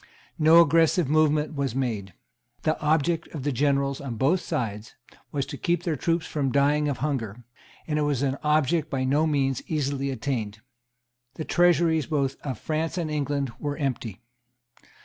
No aggressive movement was made. The object of the generals on both sides was to keep their troops from dying of hunger; and it was an object by no means easily attained. The treasuries both of France and England were empty.